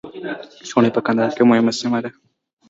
چوڼۍ په کندهار کي یوه مهمه سیمه ده.